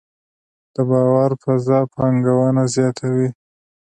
د باور فضا پانګونه زیاتوي؟